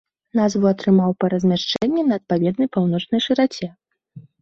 Назву атрымаў па размяшчэнні на адпаведнай паўночнай шыраце.